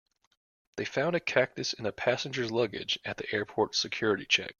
They found a cactus in a passenger's luggage at the airport's security check.